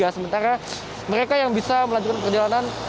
sementara mereka yang bisa melanjutkan perjalanan